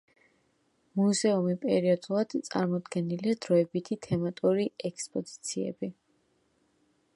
მუზეუმი პერიოდულად წარმოდგენილია დროებითი თემატური ექსპოზიციები.